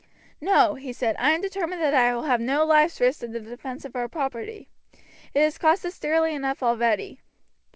"No," he said; "I am determined that I will have no lives risked in the defense of our property. It has cost us dearly enough already."